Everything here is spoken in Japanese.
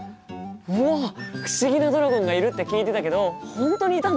うわっ不思議なドラゴンがいるって聞いてたけど本当にいたんだ！